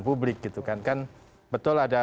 publik gitu kan kan betul ada